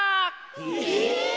え！